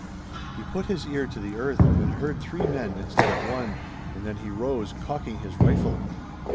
He put his ear to the earth and heard three men instead of one, and then he rose, cocking his rifle.